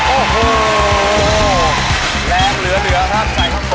โอ้โหแรงเหลือครับ